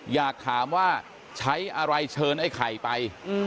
อยากถามว่าใช้อะไรเชิญไอ้ไข่ไป